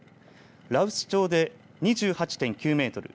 羅臼町で２８．９メートル